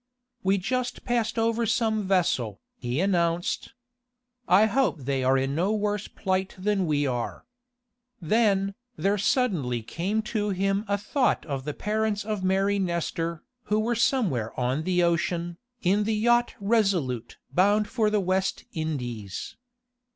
"We just passed over some vessel," he announced. "I hope they are in no worse plight than we are." Then, there suddenly came to him a thought of the parents of Mary Nestor, who were somewhere on the ocean, in the yacht RESOLUTE bound for the West Indies.